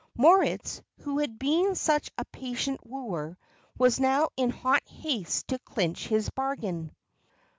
Moritz, who had been such a patient wooer, was now in hot haste to clinch his bargain.